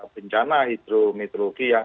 bencana hidrometeorologi yang